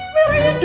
beb aku hamil